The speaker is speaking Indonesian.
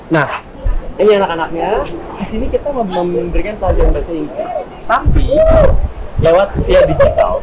nah ini anak anaknya disini kita memberikan selalu bahasa inggris tapi lewat digital